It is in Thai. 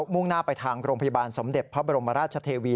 มุ่งหน้าไปทางโรงพยาบาลสมเด็จพระบรมราชเทวี